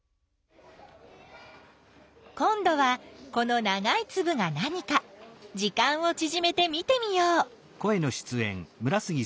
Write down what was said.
今どはこのながいつぶが何か時間をちぢめて見てみよう。